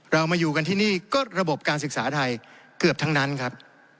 เรามาอยู่กันที่นี่ก็ระบบการศึกษาไทยเกือบทั้งนั้นครับ